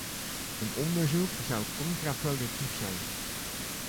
Een onderzoek zou contraproductief zijn.